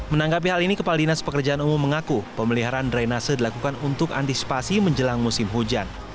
menanggapi hal ini kepala dinas pekerjaan umum mengaku pemeliharaan drainase dilakukan untuk antisipasi menjelang musim hujan